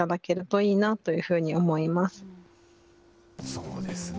そうですね。